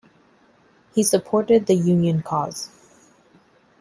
He supported the Union cause.